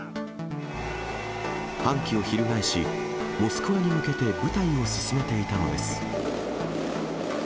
反旗を翻し、モスクワに向けて部隊を進めていたのです。